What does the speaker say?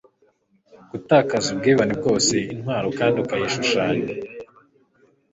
Gutakaza ubwibone bwose intwaro kandi ikayishushanya